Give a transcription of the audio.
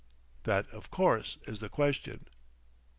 "That, of course, is the question."